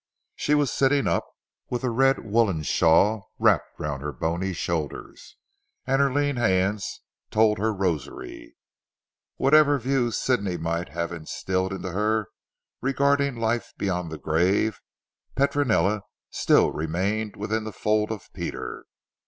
She was sitting up, with a red woollen shawl wrapped round her bony shoulders, and her lean hands told her rosary. Whatever views Sidney might have instilled into her regarding life beyond the grave, Petronella still remained within the fold of Peter.